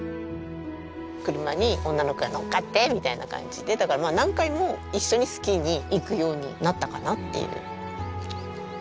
車に女の子が乗っかってみたいな感じでだから何回も一緒にスキーに行くようになったかなっていう。